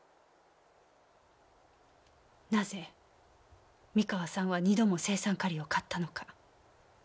なぜ三河さんは２度も青酸カリを買ったのか。